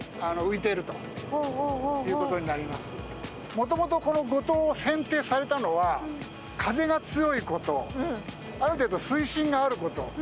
もともとこの五島選定されたのは風が強いことある程度水深があること